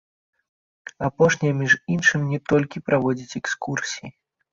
Апошняя, між іншым, не толькі праводзіць экскурсіі.